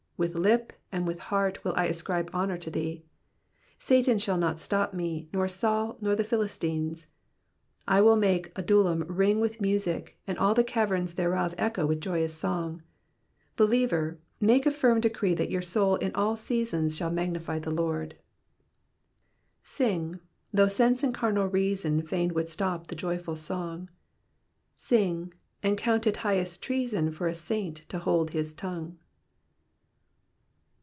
With lip and with heart will I ascribe honour to thee. Satan shall not stop me, nor Baul, nor the Philistines. I will make Adullam ring with music, and all the caverns thereof echo with joyous song. Believer, make a firm decree that your soul in all seasons shall magnify the Lord. '* SlDor, though sense and carnal reason Fain would stop the joyful song : Sine, and count It highest treason For a saint to hola his tongue.''